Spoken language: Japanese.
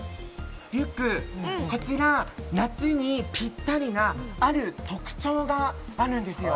こちら、夏にぴったりなある特徴があるんですよ。